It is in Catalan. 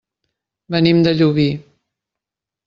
Venim de Llubí.